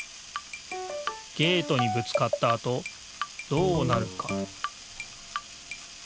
ゲートにぶつかったあとどうなるか？